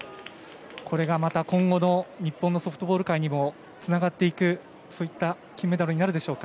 これがまた今後の日本のソフトボール界にもつながっていくそういった金メダルになるでしょうか。